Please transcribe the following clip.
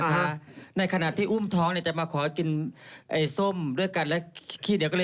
หนักในสวงสิบหวังบ่าเวลาอ้ายเสียงคู่